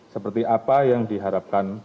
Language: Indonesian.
seperti apa yang diharapkan